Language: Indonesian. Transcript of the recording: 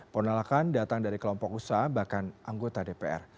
penolakan datang dari kelompok usaha bahkan anggota dpr